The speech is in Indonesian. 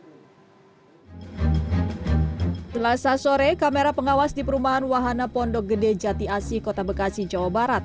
setelah sasore kamera pengawas di perumahan wahana pondok gede jati asi kota bekasi jawa barat